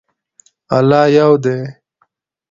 الله یو دی